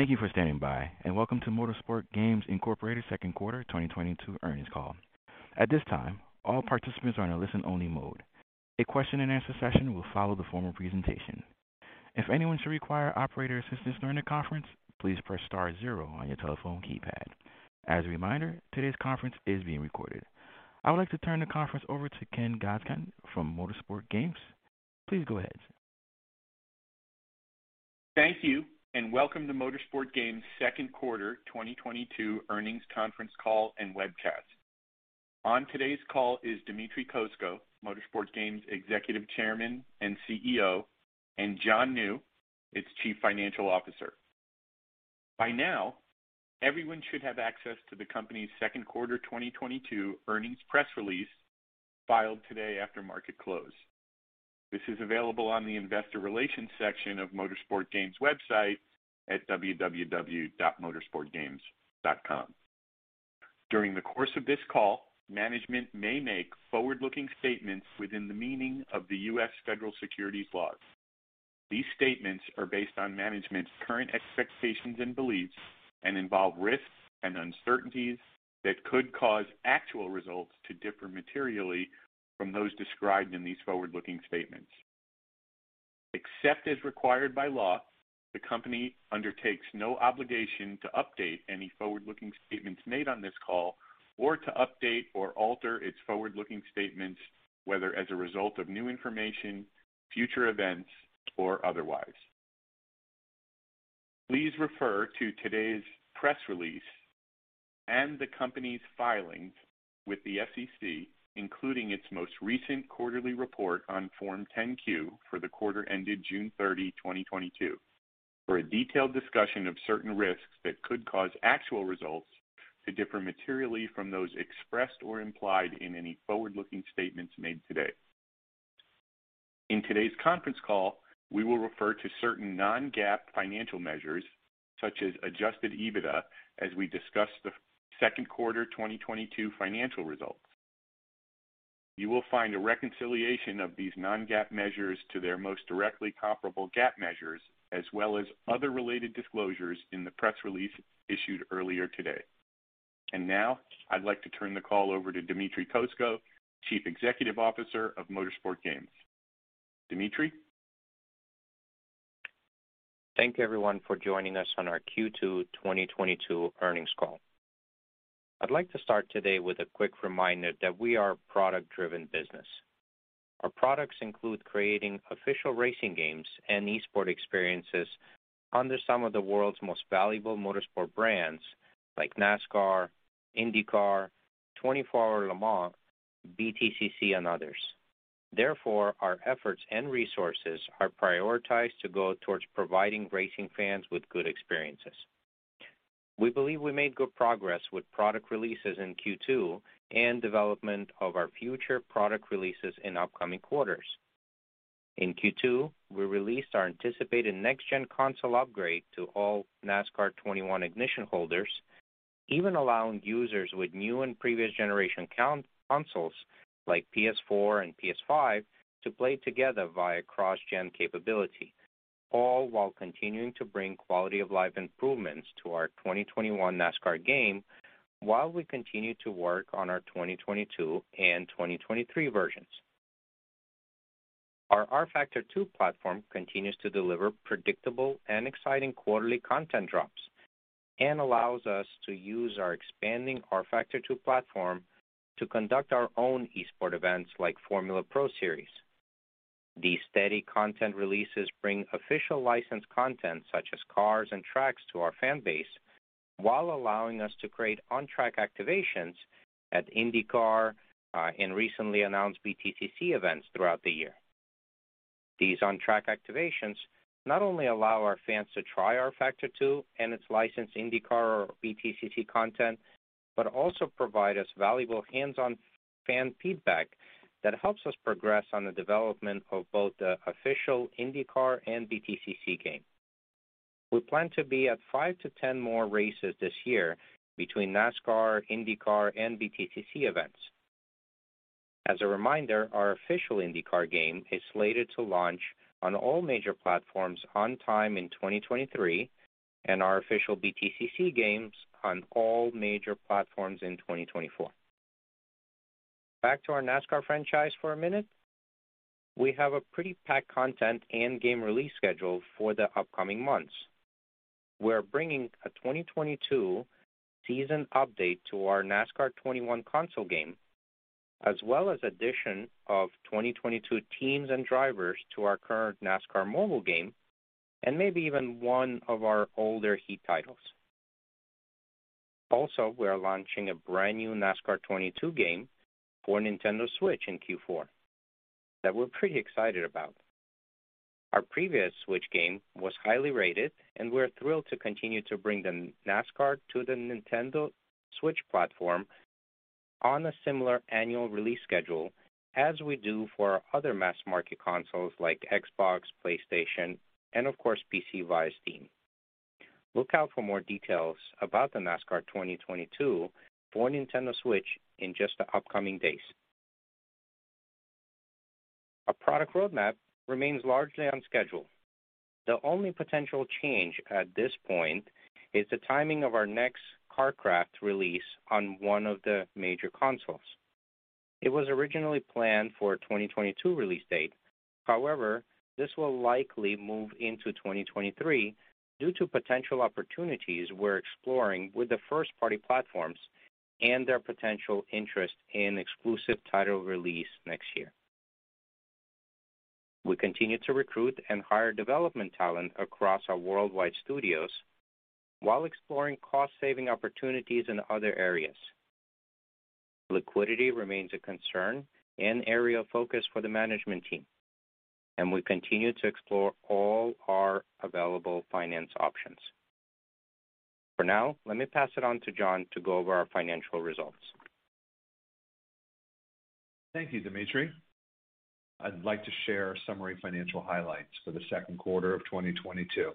Thank you for standing by, and welcome to Motorsport Games Inc. second quarter 2022 earnings call. At this time, all participants are in a listen only mode. A question and answer session will follow the formal presentation. If anyone should require operator assistance during the conference, please press star zero on your telephone keypad. As a reminder, today's conference is being recorded. I would like to turn the conference over to Ken Godskind from Motorsport Games. Please go ahead. Thank you, and welcome to Motorsport Games second quarter 2022 earnings conference call and webcast. On today's call is Dmitry Kozko, Motorsport Games Executive Chairman and CEO, and Jonathan New, its Chief Financial Officer. By now, everyone should have access to the company's second quarter 2022 earnings press release filed today after market close. This is available on the investor relations section of Motorsport Games website at www.motorsportgames.com. During the course of this call, management may make forward-looking statements within the meaning of the U.S. Federal Securities laws. These statements are based on management's current expectations and beliefs and involve risks and uncertainties that could cause actual results to differ materially from those described in these forward-looking statements. Except as required by law, the company undertakes no obligation to update any forward-looking statements made on this call or to update or alter its forward-looking statements, whether as a result of new information, future events, or otherwise. Please refer to today's press release and the company's filings with the SEC, including its most recent quarterly report on Form 10-Q for the quarter ended June 30, 2022, for a detailed discussion of certain risks that could cause actual results to differ materially from those expressed or implied in any forward-looking statements made today. In today's conference call, we will refer to certain non-GAAP financial measures, such as adjusted EBITDA, as we discuss the second quarter 2022 financial results. You will find a reconciliation of these non-GAAP measures to their most directly comparable GAAP measures, as well as other related disclosures in the press release issued earlier today. And now, I'd like to turn the call over to Dmitry Kozko, Chief Executive Officer of Motorsport Games. Dmitry. Thank you everyone for joining us on our Q2 2022 earnings call. I'd like to start today with a quick reminder that we are a product-driven business. Our products include creating official racing games and esports experiences under some of the world's most valuable motorsport brands like NASCAR, IndyCar, 24 Hours of Le Mans, BTCC, and others. Therefore, our efforts and resources are prioritized to go towards providing racing fans with good experiences. We believe we made good progress with product releases in Q2 and development of our future product releases in upcoming quarters. In Q2, we released our anticipated next-gen console upgrade to all NASCAR 21 Ignition holders, even allowing users with new and previous generation consoles like PS4 and PS5 to play together via cross-gen capability, all while continuing to bring quality of life improvements to our 2021 NASCAR game while we continue to work on our 2022 and 2023 versions. Our rFactor 2 platform continues to deliver predictable and exciting quarterly content drops and allows us to use our expanding rFactor 2 platform to conduct our own esports events like Formula Pro Series. These steady content releases bring official licensed content such as cars and tracks to our fan base while allowing us to create on-track activations at IndyCar and recently announced BTCC events throughout the year. These on-track activations not only allow our fans to try rFactor 2 and its licensed IndyCar or BTCC content, but also provide us valuable hands-on fan feedback that helps us progress on the development of both the official IndyCar and BTCC game. We plan to be at five-10 more races this year between NASCAR, IndyCar, and BTCC events. As a reminder, our official IndyCar game is slated to launch on all major platforms on time in 2023, and our official BTCC games on all major platforms in 2024. Back to our NASCAR franchise for a minute. We have a pretty packed content and game release schedule for the upcoming months. We're bringing a 2022 season update to our NASCAR 21 console game, as well as addition of 2022 teams and drivers to our current NASCAR mobile game and maybe even one of our older Heat titles. Also, we are launching a brand new NASCAR 22 game for Nintendo Switch in Q4 that we're pretty excited about. Our previous Switch game was highly rated and we're thrilled to continue to bring the NASCAR to the Nintendo Switch platform on a similar annual release schedule as we do for our other mass market consoles like Xbox, PlayStation and of course PC via Steam. Look out for more details about the NASCAR 2022 for Nintendo Switch in just the upcoming days. A product roadmap remains largely on schedule. The only potential change at this point is the timing of our next KartKraft release on one of the major consoles. It was originally planned for 2022 release date. However, this will likely move into 2023 due to potential opportunities we're exploring with the first-party platforms and their potential interest in exclusive title release next year. We continue to recruit and hire development talent across our worldwide studios while exploring cost saving opportunities in other areas. Liquidity remains a concern and area of focus for the management team, and we continue to explore all our available finance options. For now, let me pass it on to Jonathan to go over our financial results. Thank you, Dmitry. I'd like to share summary financial highlights for the second quarter of 2022.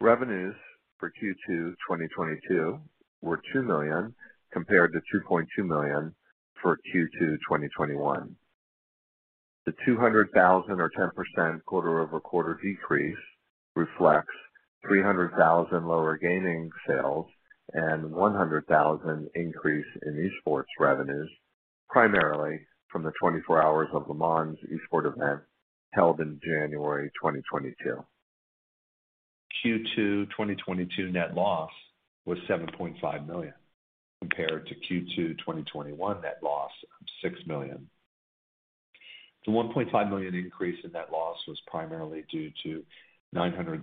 Revenues for Q2 2022 were $2 million, compared to $2.2 million for Q2 2021. The $200,000 or 10% quarter-over-quarter decrease reflects $300,000 lower gaming sales and $100,000 increase in esports revenues, primarily from the 24 Hours of Le Mans esports event held in January 2022. Q2 2022 net loss was $7.5 million, compared to Q2 2021 net loss of $6 million. The $1.5 million increase in net loss was primarily due to $900,000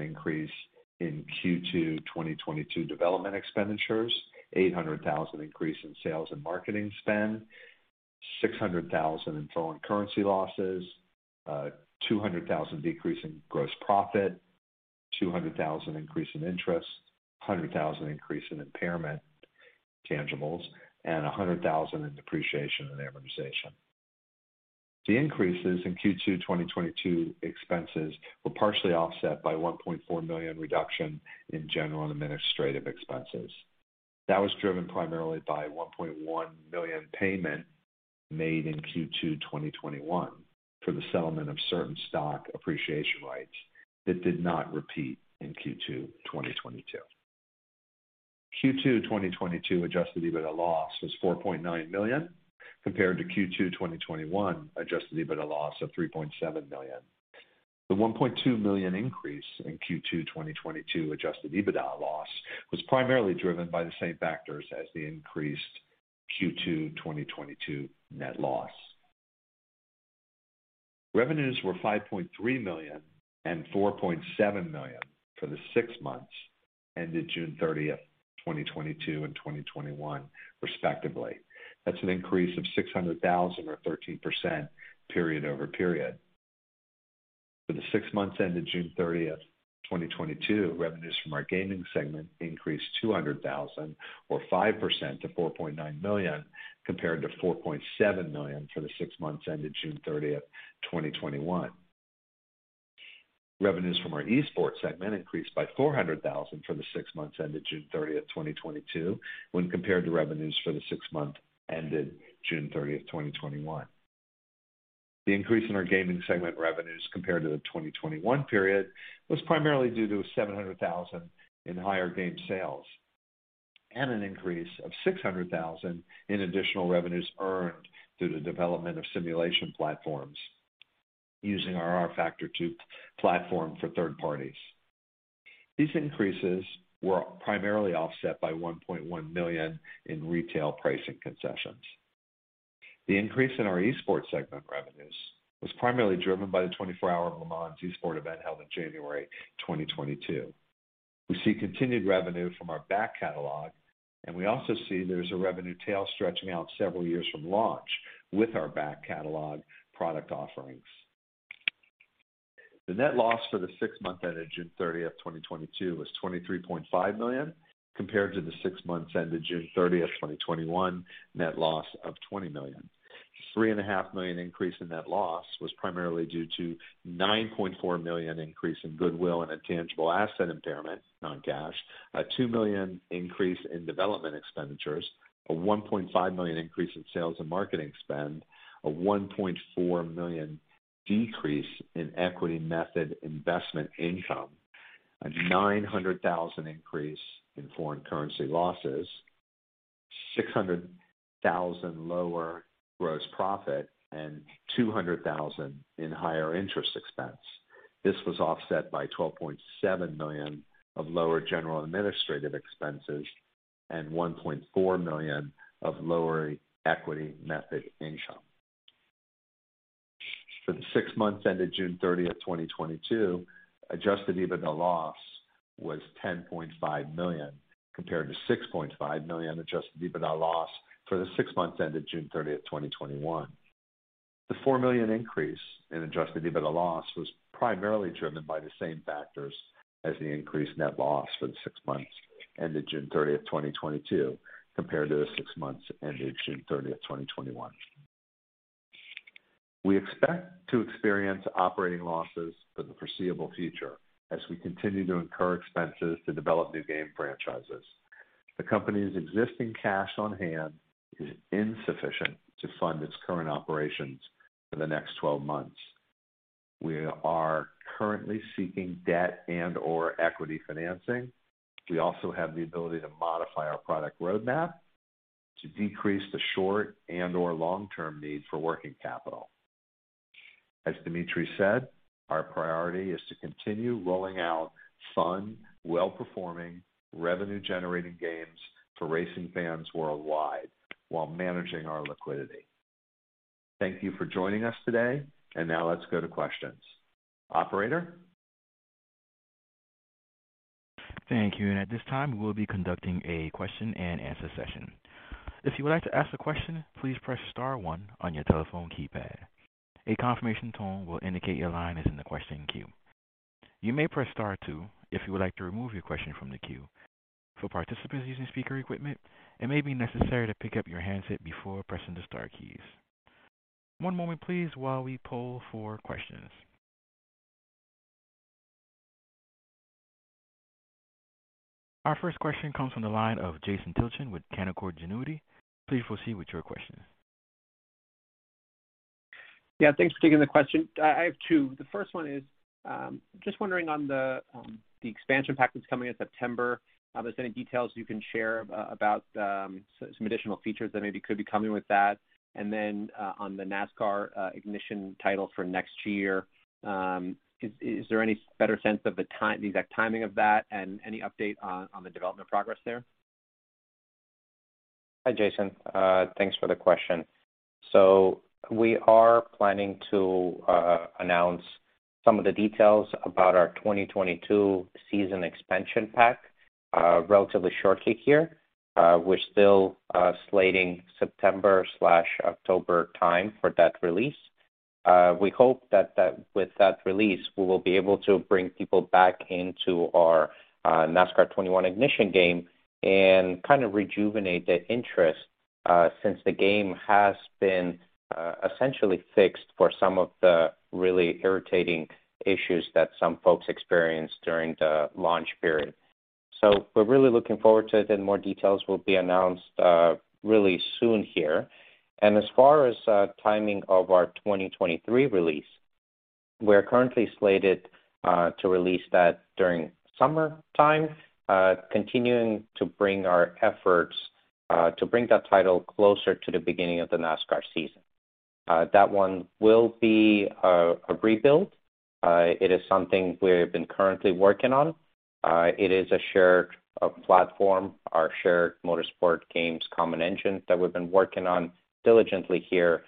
increase in Q2 2022 development expenditures, $800,000 increase in sales and marketing spend, $600,000 in foreign currency losses, $200,000 decrease in gross profit, $200,000 increase in interest, $100,000 increase in impairment intangibles, and $100,000 in depreciation and amortization. The increases in Q2 2022 expenses were partially offset by $1.4 million reduction in general and administrative expenses. That was driven primarily by $1.1 million payment made in Q2 2021 for the settlement of certain stock appreciation rights that did not repeat in Q2 2022. Q2 2022 Adjusted EBITDA loss was $4.9 million, compared to Q2 2021 Adjusted EBITDA loss of $3.7 million. The $1.2 million increase in Q2 2022 adjusted EBITDA loss was primarily driven by the same factors as the increased Q2 2022 net loss. Revenues were $5.3 million and $4.7 million for the six months ended June 30th, 2022 and 2021 respectively. That's an increase of $600,000 or 13% period-over-period. For the six months ended June 30th, 2022, revenues from our gaming segment increased $200,000 or 5% to $4.9 million, compared to $4.7 million for the six months ended June 30th, 2021. Revenues from our esports segment increased by $400,000 for the six months ended June 30th, 2022 when compared to revenues for the six months ended June 30th, 2021. The increase in our gaming segment revenues compared to the 2021 period was primarily due to $700,000 in higher game sales and an increase of $600,000 in additional revenues earned through the development of simulation platforms using our rFactor 2 platform for third parties. These increases were primarily offset by $1.1 million in retail pricing concessions. The increase in our esports segment revenues was primarily driven by the 24 Hours Le Mans esports event held in January 2022. We see continued revenue from our back catalog, and we also see there's a revenue tail stretching out several years from launch with our back catalog product offerings. The net loss for the six months ended June 30th, 2022 was $23.5 million, compared to the six months ended June 30th, 2021 net loss of $20 million. $3.5 million increase in net loss was primarily due to $9.4 million increase in goodwill and intangible asset impairment, non-cash, $2 million increase in development expenditures, $1.5 million increase in sales and marketing spend, $1.4 million decrease in equity method investment income, $900,000 increase in foreign currency losses, $600,000 lower gross profit, and $200,000 in higher interest expense. This was offset by $12.7 million of lower general administrative expenses and $1.4 million of lower equity method income. For the six months ended June 30th, 2022, adjusted EBITDA loss was $10.5 million, compared to $6.5 million adjusted EBITDA loss for the six months ended June 30th, 2021. The $4 million increase in adjusted EBITDA loss was primarily driven by the same factors as the increased net loss for the six months ended June 30th, 2022 compared to the six months ended June 30th, 2021. We expect to experience operating losses for the foreseeable future as we continue to incur expenses to develop new game franchises. The company's existing cash on hand is insufficient to fund its current operations for the next 12 months. We are currently seeking debt and/or equity financing. We also have the ability to modify our product roadmap to decrease the short- and/or long-term need for working capital. As Dmitry said, our priority is to continue rolling out fun, well-performing, revenue-generating games for racing fans worldwide while managing our liquidity. Thank you for joining us today, and now let's go to questions. Operator. Thank you. At this time, we'll be conducting a question and answer session. If you would like to ask a question, please press star one on your telephone keypad. A confirmation tone will indicate your line is in the question queue. You may press star two if you would like to remove your question from the queue. For participants using speaker equipment, it may be necessary to pick up your handset before pressing the star keys. One moment please while we poll for questions. Our first question comes from the line of Jason Tilchen with Canaccord Genuity. Please proceed with your question. Yeah, thanks for taking the question. I have two. The first one is just wondering on the expansion pack that's coming in September, if there's any details you can share about some additional features that maybe could be coming with that. On the NASCAR Ignition title for next year, is there any better sense of the time, the exact timing of that and any update on the development progress there? Hi, Jason. Thanks for the question. We are planning to announce some of the details about our 2022 season expansion pack relatively shortly here. We're still slating September/October time for that release. We hope that with that release, we will be able to bring people back into our NASCAR 21: Ignition game and kind of rejuvenate the interest since the game has been essentially fixed for some of the really irritating issues that some folks experienced during the launch period. We're really looking forward to it, and more details will be announced really soon here. As far as timing of our 2023 release, we're currently slated to release that during summer time, continuing to bring our efforts, to bring that title closer to the beginning of the NASCAR season. That one will be a rebuild. It is something we've been currently working on. It is a shared platform, our shared Motorsport Games common engine that we've been working on diligently here,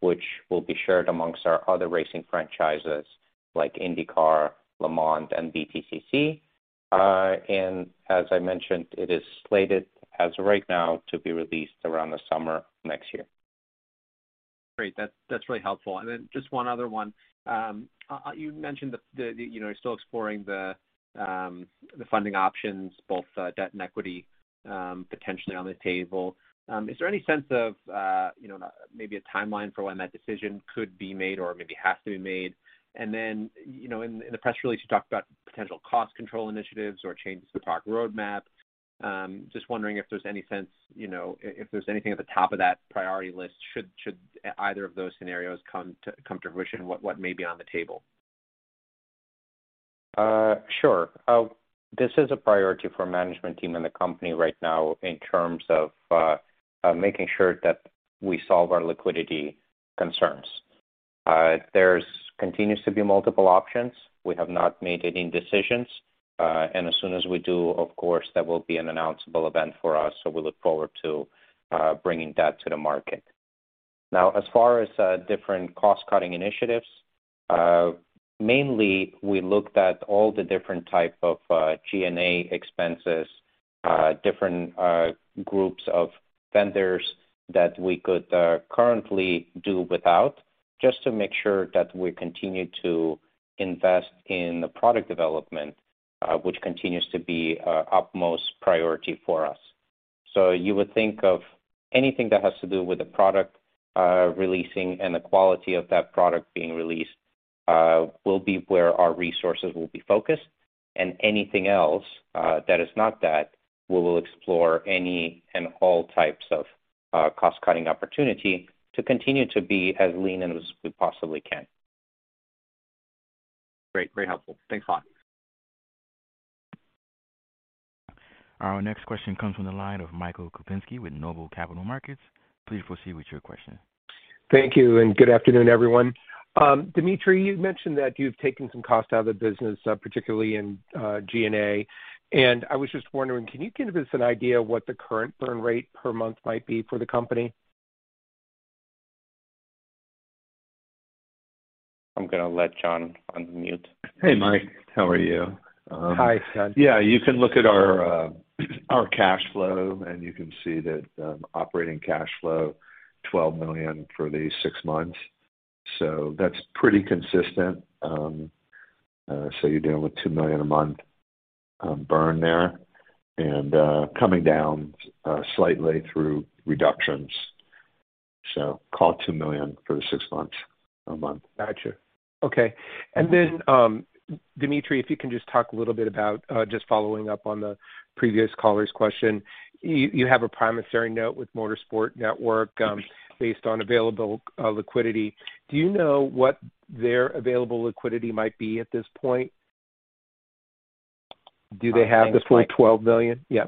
which will be shared amongst our other racing franchises like IndyCar, Le Mans, and BTCC. As I mentioned, it is slated as of right now to be released around the summer next year. Great. That's really helpful. Just one other one. You mentioned, you know, you're still exploring the funding options, both debt and equity potentially on the table. Is there any sense of, you know, maybe a timeline for when that decision could be made or maybe has to be made? You know, in the press release, you talked about potential cost control initiatives or changes to product roadmap. Just wondering if there's any sense, you know, if there's anything at the top of that priority list should either of those scenarios come to fruition, what may be on the table? Sure. This is a priority for management team and the company right now in terms of making sure that we solve our liquidity concerns. If there's continues to be multiple options. We have not made any decisions. As soon as we do, of course, that will be an announceable event for us, so we look forward to bringing that to the market. Now, as far as different cost-cutting initiatives, mainly we looked at all the different type of G&A expenses, different groups of vendors that we could currently do without, just to make sure that we continue to invest in the product development, which continues to be our utmost priority for us. You would think of anything that has to do with the product releasing and the quality of that product being released will be where our resources will be focused. Anything else that is not that we will explore any and all types of cost-cutting opportunity to continue to be as lean as we possibly can. Great. Very helpful. Thanks a lot. Our next question comes from the line of Michael Kupinski with Noble Capital Markets. Please proceed with your question. Thank you, and good afternoon, everyone. Dmitry, you mentioned that you've taken some cost out of the business, particularly in G&A. I was just wondering, can you give us an idea what the current burn rate per month might be for the company? I'm gonna let Jonathan unmute. Hey, Mike, how are you? Hi, Jonathan. Yeah, you can look at our cash flow, and you can see that operating cash flow $12 million for these six months. That's pretty consistent. You're dealing with $2 million a month, burn there and coming down slightly through reductions. Call it $2 million for the six months per month. Got you. Okay. Dmitry, if you can just talk a little bit about just following up on the previous caller's question. You have a promissory note with Motorsport Network, based on available liquidity. Do you know what their available liquidity might be at this point? Do they have the full $12 million? Yeah.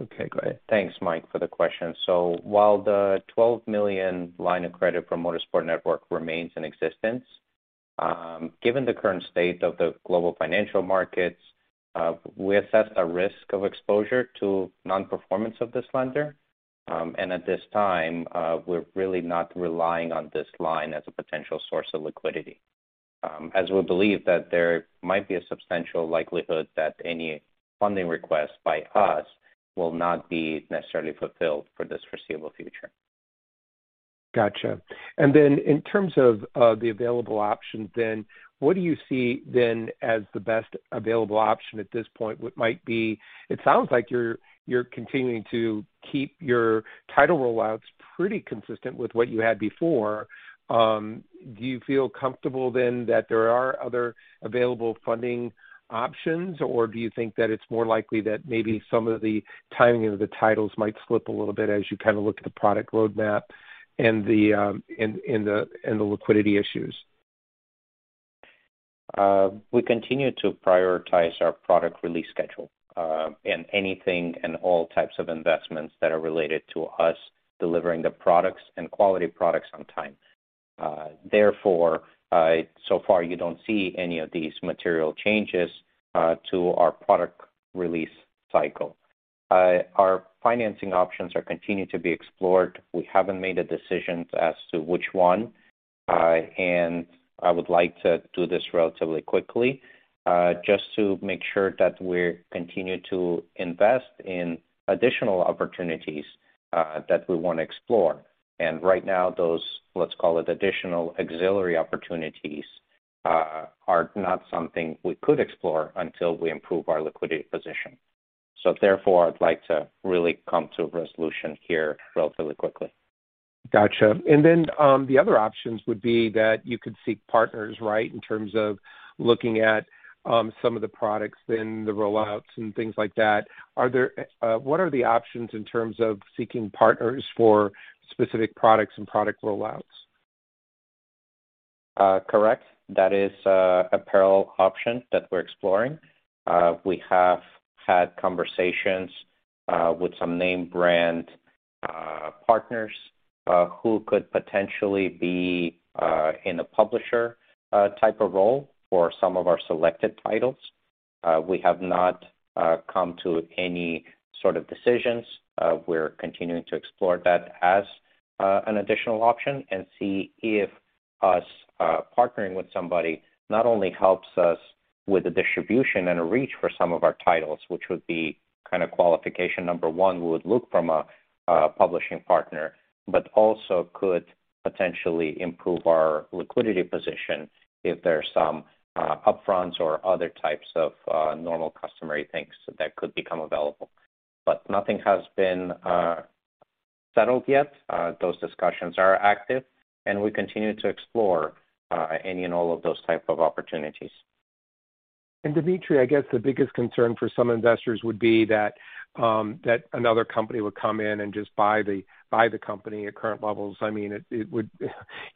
Okay, go ahead. Thanks, Mike, for the question. While the $12 million line of credit from Motorsport Network remains in existence, given the current state of the global financial markets, we assess a risk of exposure to non-performance of this lender. At this time, we're really not relying on this line as a potential source of liquidity, as we believe that there might be a substantial likelihood that any funding request by us will not be necessarily fulfilled for this foreseeable future. Gotcha. In terms of the available options then, what do you see then as the best available option at this point? What might be? It sounds like you're continuing to keep your title rollouts pretty consistent with what you had before. Do you feel comfortable then that there are other available funding options, or do you think that it's more likely that maybe some of the timing of the titles might slip a little bit as you kind of look at the product roadmap and the liquidity issues? We continue to prioritize our product release schedule, and anything and all types of investments that are related to us delivering the products and quality products on time. Therefore, so far you don't see any of these material changes to our product release cycle. Our financing options are continuing to be explored. We haven't made a decision as to which one. I would like to do this relatively quickly, just to make sure that we continue to invest in additional opportunities that we want to explore. Right now those, let's call it additional auxiliary opportunities, are not something we could explore until we improve our liquidity position. Therefore, I'd like to really come to a resolution here relatively quickly. Gotcha. The other options would be that you could seek partners, right? In terms of looking at, some of the products, then the rollouts and things like that. What are the options in terms of seeking partners for specific products and product rollouts? Correct. That is a parallel option that we're exploring. We have had conversations with some name brand partners who could potentially be in a publisher type of role for some of our selected titles. We have not come to any sort of decisions. We're continuing to explore that as an additional option and see if us partnering with somebody not only helps us with the distribution and reach for some of our titles, which would be kind of qualification number one we would look from a publishing partner, but also could potentially improve our liquidity position if there are some upfront or other types of normal customary things that could become available. Nothing has been settled yet. Those discussions are active, and we continue to explore any and all of those type of opportunities. Dmitry, I guess the biggest concern for some investors would be that another company would come in and just buy the company at current levels. I mean, it would.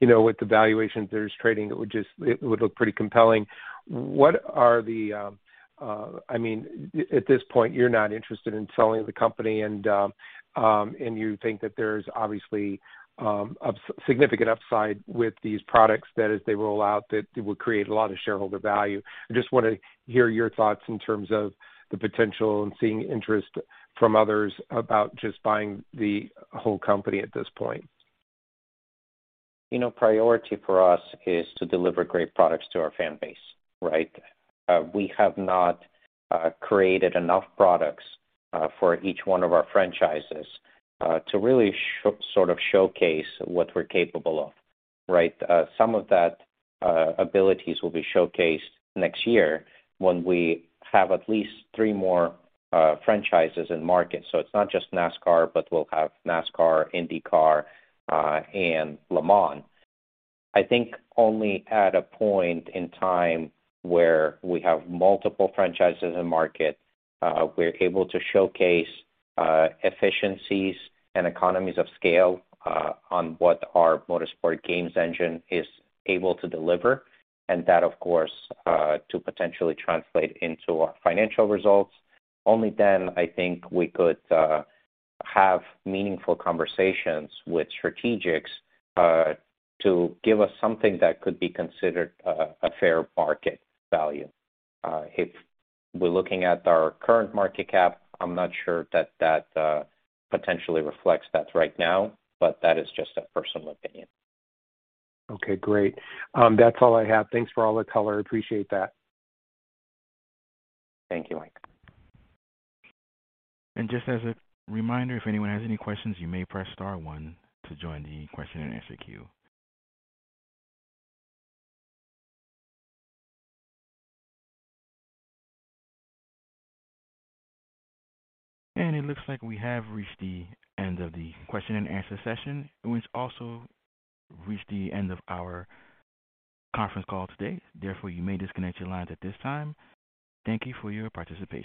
You know, with the valuations that it's trading, it would just look pretty compelling. I mean, at this point, you're not interested in selling the company and you think that there's obviously a significant upside with these products that as they roll out, that it would create a lot of shareholder value. I just wanna hear your thoughts in terms of the potential and seeing interest from others about just buying the whole company at this point. You know, priority for us is to deliver great products to our fan base, right? We have not created enough products for each one of our franchises to really sort of showcase what we're capable of, right? Some of those abilities will be showcased next year when we have at least three more franchises in market. It's not just NASCAR, but we'll have NASCAR, IndyCar, and Le Mans. I think only at a point in time where we have multiple franchises in market, we're able to showcase efficiencies and economies of scale on what our Motorsport Games engine is able to deliver. And that, of course, to potentially translate into our financial results. Only then I think we could have meaningful conversations with strategics to give us something that could be considered a fair market value. If we're looking at our current market cap, I'm not sure that potentially reflects that right now, but that is just a personal opinion. Okay, great. That's all I have. Thanks for all the color. I appreciate that. Thank you, Mike. Just as a reminder, if anyone has any questions, you may press star one to join the question and answer queue. It looks like we have reached the end of the question and answer session, and we've also reached the end of our conference call today. Therefore, you may disconnect your lines at this time. Thank you for your participation.